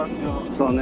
そうね。